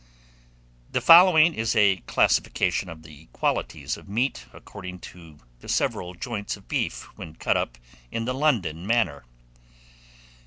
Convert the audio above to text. The following is a classification of the qualities of meat, according to the several joints of beef, when cut up in the London manner.